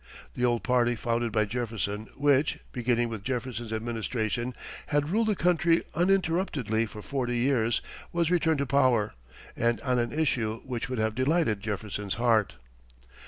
The old party founded by Jefferson, which, beginning with Jefferson's administration, had ruled the country uninterruptedly for forty years, was returned to power, and on an issue which would have delighted Jefferson's heart.